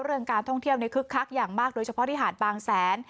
เรื่องการท่องเที่ยวในคึกคักอย่างมากโดยเฉพาะที่หาดบางแสน